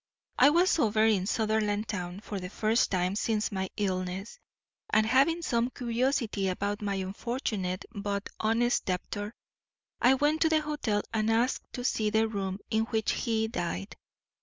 I was over in Sutherlandtown for the first time since my illness, and having some curiosity about my unfortunate but honest debtor, went to the hotel and asked to see the room in which he died.